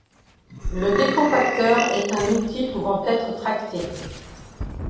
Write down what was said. Le décompacteur est un outil pouvant être tracté.